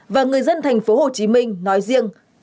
và người dân thành phố hồ chí minh nói riêng